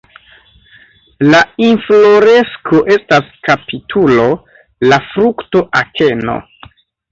La infloresko estas kapitulo, la frukto akeno.